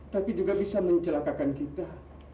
tapi juga bisa mencelakakan kita